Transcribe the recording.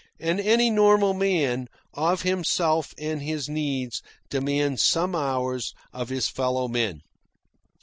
And any normal man, of himself and his needs, demands some hours of his fellow men.